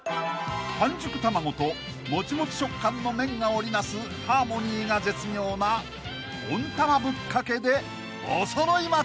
［半熟卵ともちもち食感の麺が織りなすハーモニーが絶妙な温玉ぶっかけでおそろい松］